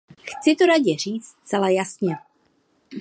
Chci to Radě říct zcela jasně.